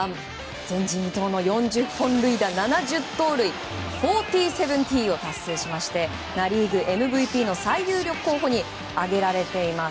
前人未到の４０本塁打、７０盗塁４０‐７０を達成しましてナ・リーグＭＶＰの最有力候補に挙げられています。